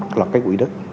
các loạt quỹ đất